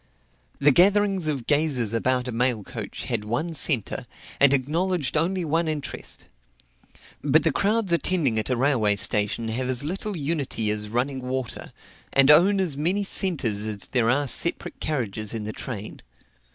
The gatherings of gazers about a mail coach had one centre, and acknowledged only one interest. But the crowds attending at a railway station have as little unity as running water, and own as many centres as there are separate carriages in the train.